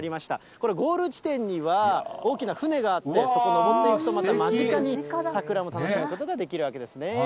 これ、ゴール地点には、大きな船があって、そこ上っていくと、また間近に桜も楽しむことができるわけですね。